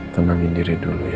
tenangin diri dulu ya